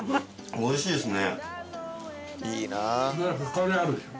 美味しいですね。